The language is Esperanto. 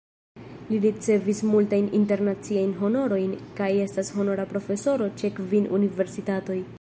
Li ricevis multajn internaciajn honorojn kaj estas honora profesoro ĉe kvin universitatoj.